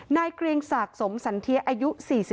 เกรียงศักดิ์สมสันเทียอายุ๔๒